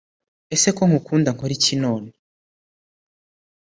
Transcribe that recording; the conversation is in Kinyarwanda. Ese ko nkukunda nkoriki none?